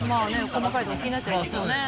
細かいとこ気になっちゃいますよね。